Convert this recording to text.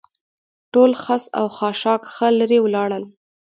ټول خس او خاشاک ښه لرې ولاړل.